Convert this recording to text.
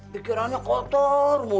pikirannya kotor mulu